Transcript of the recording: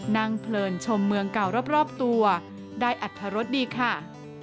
เพลินชมเมืองเก่ารอบตัวได้อัตรรสดีค่ะ